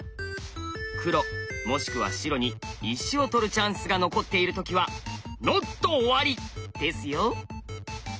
黒もしくは白に石を取るチャンスが残っている時はＮＯＴ終わり！ですよ。